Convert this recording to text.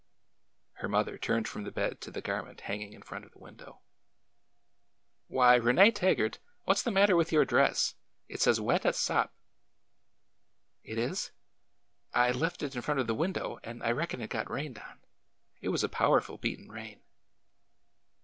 Her mother turned from the bed to the garment hang ing in front of the window. " Why, Rene Taggart, what 's the matter with your dress ? It 's as wet as sop !"'' It is ? I left it in front of the window, and I reckon it got rained on. It was a powerful beatin' rain."